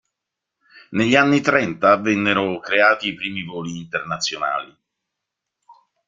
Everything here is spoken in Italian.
Negli anni trenta vennero creati i primi voli internazionali.